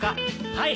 はい。